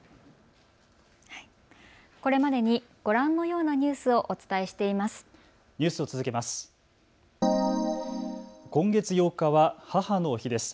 これまでにご覧のようなニュースをお伝えしています。